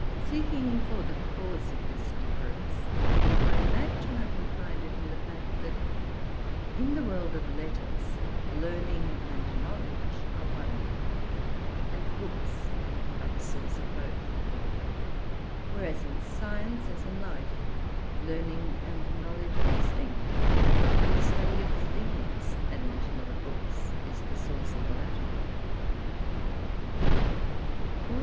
Seeking for the cause of this difference, I imagine I can find it in the fact that, in the world of letters, learning and knowledge are one, and books are the source of both; whereas in science, as in life, learning and knowledge are distinct, and the study of things, and not of books, is the source of the latter.